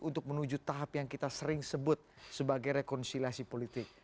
untuk menuju tahap yang kita sering sebut sebagai rekonsiliasi politik